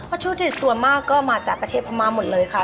ชูจิตส่วนมากก็มาจากประเทศพม่าหมดเลยค่ะ